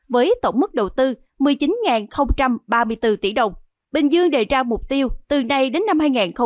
với tổng mức đầu tư một mươi chín ba mươi bốn tỷ đồng bình dương đề ra mục tiêu từ nay đến năm hai nghìn ba mươi